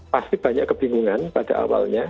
pasti banyak kebingungan pada awalnya